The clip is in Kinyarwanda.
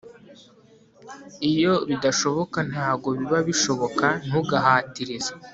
iyo bidashoboka, ntago biba bishoboka ntugahatirize